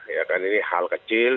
ya kan ini hal kecil